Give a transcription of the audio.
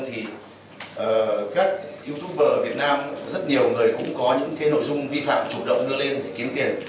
thì các youtuber việt nam rất nhiều người cũng có những nội dung vi phạm chủ động đưa lên để kiếm tiền